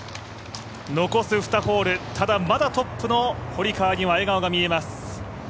残す２ホール、ただまだトップの堀川には笑顔が見えます。